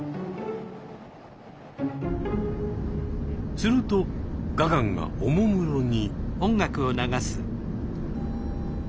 するとガガンがおもむろに。